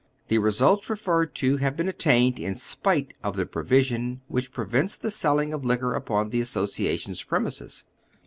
The resnlts re ferred to have been attained in spite of the provision which prevents the sehing of liquor upon tlie Association's premises.